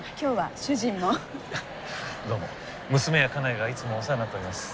どうも娘や家内がいつもお世話になっております。